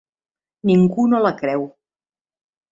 Ningú no la creu.